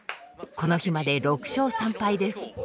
この日まで６勝３敗です。